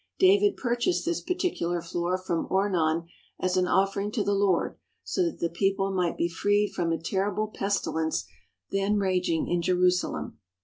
David purchased this particular floor from Oman as an offering to the Lord so that the people might be freed from a terrible pestilence then raging in Jerusalem.